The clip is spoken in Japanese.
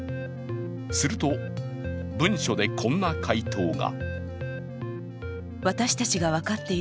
すると、文書でこんな回答が。